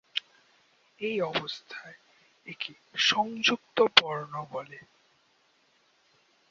এই অবস্থায় একে সংযুক্ত বর্ণ বলে।